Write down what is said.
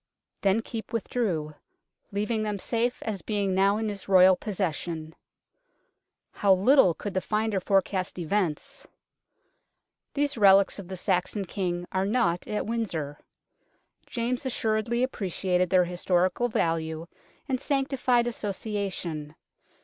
Then Keepe with drew, " leaving them safe as being now in his Royal possession." How little could the finder forecast events ! These relics of the Saxon King are not at Windsor. James assuredly appreciated their historical value and sanctified association.